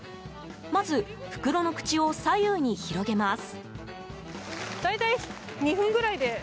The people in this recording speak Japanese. まず、袋の口を左右に広げます。